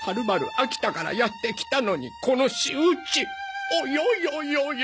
秋田からやって来たのにこの仕打ちオヨヨヨヨヨ。